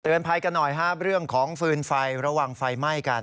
เตือนภัยกันหน่อยเรื่องของฟืนไฟระวังไฟไหม้กัน